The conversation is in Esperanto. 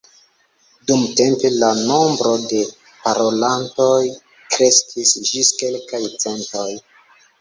Dumtempe la nombro de parolantoj kreskis ĝis kelkaj centoj.